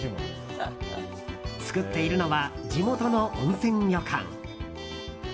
作っているのは地元の温泉旅館。